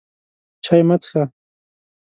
چای مه څښه!